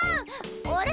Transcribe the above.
あれ？